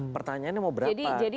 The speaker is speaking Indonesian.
pertanyaannya mau berapa